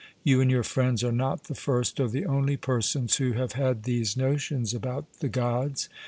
You and your friends are not the first or the only persons who have had these notions about the Gods.